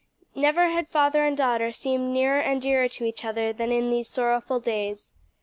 Never had father and daughter seemed nearer and dearer to each other than in these sorrowful days.